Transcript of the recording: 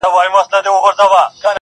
په زګېروي لېوه ورږغ کړله چي وروره!!